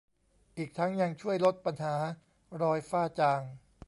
อีกทั้งยังช่วยลดปัญหารอยฝ้าจาง